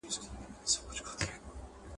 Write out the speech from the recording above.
خلوت د فتنې سبب کيدلای سي.